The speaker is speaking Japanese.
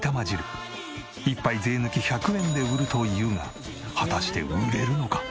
１杯税抜き１００円で売るというが果たして売れるのか？